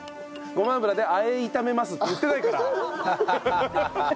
「ごま油であえ炒めます」って言ってないから。